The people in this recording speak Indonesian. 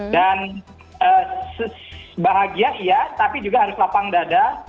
dan bahagia ya tapi juga harus lapang dada